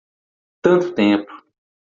Tanto tempo